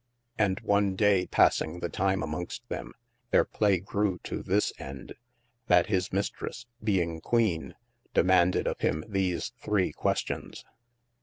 And one day passing the time amongst them, their playe grew to this end, that his Mistresse, being Queene, demaunded of him these three questions.